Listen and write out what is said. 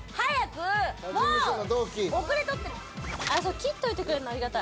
切っといてくれるのありがたい。